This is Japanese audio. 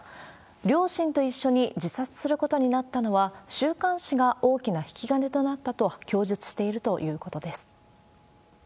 両親と一緒に自殺することになったのは、週刊誌が大きな引き金になったと供述しているということです。